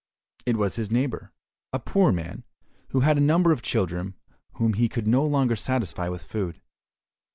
It was his neighbour, a poor man who had a number of children whom he could no longer satisfy with food.